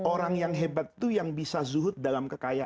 orang yang hebat tuh yang bisa zuhur di dalam keramaian